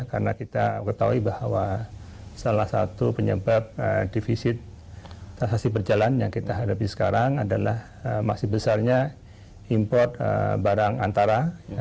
karena kita ketahui bahwa salah satu penyebab divisi tasasi perjalanan yang kita hadapi sekarang adalah maksimal besarnya import barang antara